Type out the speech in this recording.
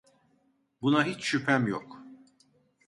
Buna hiç şüphem yok.